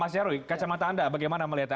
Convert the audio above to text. mas nyarwi kacamata anda bagaimana melihatnya